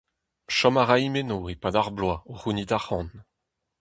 Chom a raimp eno e-pad ar bloaz o c’hounit arc’hant.